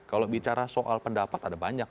kalau bicara soal pendapat ada banyak